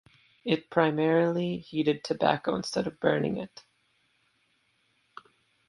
It primarily heated tobacco instead of burning it.